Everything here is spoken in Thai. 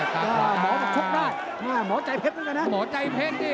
หมอถูกได้หมอใจเพชรกันกันนะ